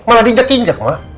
malah diinjak injak ma